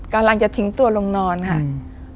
กำลังจะทิ้งตัวลงนอนค่ะอืม